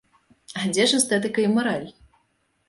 А дзе ж эстэтыка і мараль?